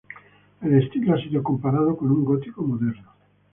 El estilo ha sido comparado con un gótico moderno.